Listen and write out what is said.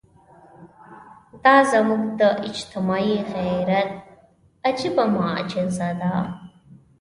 دا زموږ د اجتماعي غیرت عجیبه معجزه ده.